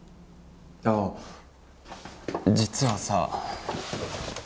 あ実はさ。